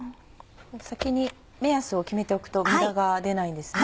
先に目安を決めておくと無駄が出ないんですね。